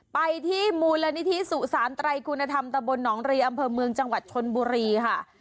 ไปที่มูลนิธิสุสานไตรคุณธรรมตะบลหนองรีอำเภอเมืองจังหวัดชนบุรีค่ะ